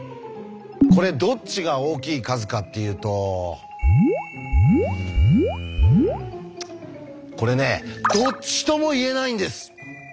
これどっちが大きい数かっていうとうんこれねどっちとも言えないんです！